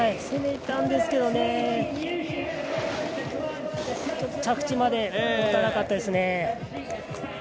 攻めたんですけどね、着地までいかなかったですね。